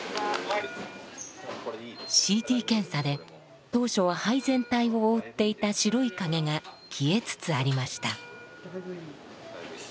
ＣＴ検査で当初は肺全体を覆っていた白い影が消えつつありました。